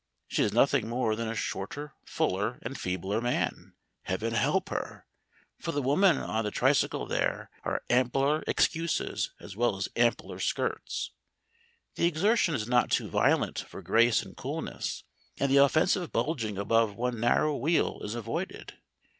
She is nothing more than a shorter, fuller, and feebler man. Heaven help her! For the woman on the tricycle there are ampler excuses as well as ampler skirts, the exertion is not too violent for grace and coolness, and the offensive bulging above one narrow wheel is avoided.